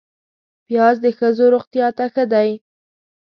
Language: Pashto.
پیاز د ښځو روغتیا ته ښه دی